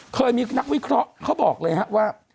เคยมีนักวิเคราะห์เขาบอกเลยครับว่า